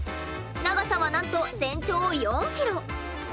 長さはなんと全長４ｋｍ。